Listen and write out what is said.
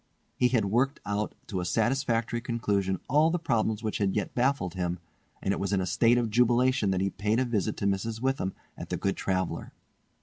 He had worked out to a satisfactory conclusion all the problems which had as yet baffled him, and it was in a state of jubilation that he paid a visit to Mrs. Witham at "The Good Traveller".